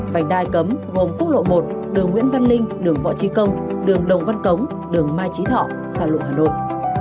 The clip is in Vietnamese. vành đai cấm gồm quốc lộ một đường nguyễn văn linh đường võ trí công đường đồng văn cống đường mai trí thọ sao lộ hà nội